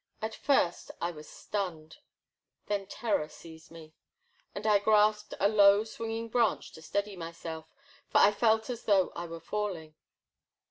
At first I was stunned. Then terror seized me, and I grasped a low swing ing branch to steady myself, for I felt as though I were falling.